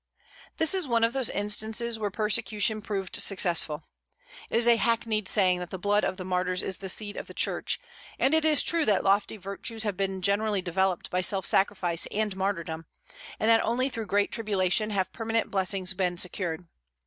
This is one of those instances where persecution proved successful. It is a hackneyed saying that "the blood of martyrs is the seed of the Church;" and it is true that lofty virtues have been generally developed by self sacrifice and martyrdom, and that only through great tribulation have permanent blessings been secured.